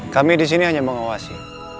kami disini hanya mengawasi